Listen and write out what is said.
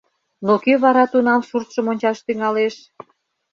Но кӧ вара тунам суртшым ончаш тӱҥалеш?